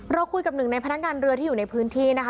เราคุยกับหนึ่งในพนักงานเรือที่อยู่ในพื้นที่นะคะ